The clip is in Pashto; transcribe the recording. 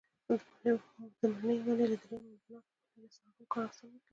د مڼې ونې له درېیم او د ناک ونې له څلورم کال حاصل ورکوي.